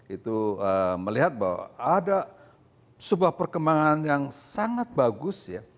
itu melihat bahwa ada sebuah perkembangan yang sangat bagus ya